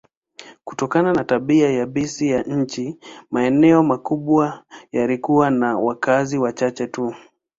Kutokana na tabia yabisi ya nchi, maeneo makubwa yalikuwa na wakazi wachache tu.